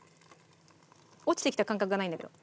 落ちてきた感覚がないんだけど。